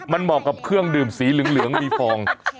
มันเหมาะกับเครื่องดื่มสีเหลืองมีฟอง